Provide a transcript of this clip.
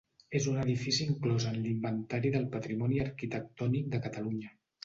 És un edifici inclòs en l'Inventari del Patrimoni Arquitectònic de Catalunya.